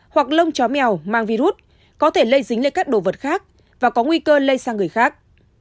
hoặc lông chó mèo mang virus có thể lây dính lên các đồ vật khác và có nguy cơ lây sang người khác